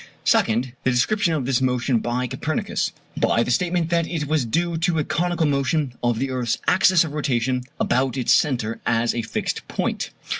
Second, the description of this motion by Copernicus, by the statement that it was due to a conical motion of the earth's axis of rotation about its centre as a fixed point.